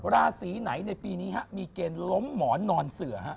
ราศีไหนในปีนี้มีเกณฑ์ล้มหมอนนอนเสือฮะ